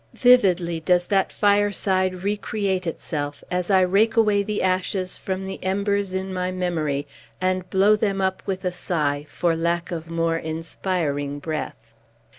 Vividly does that fireside re create itself, as I rake away the ashes from the embers in my memory, and blow them up with a sigh, for lack of more inspiring breath.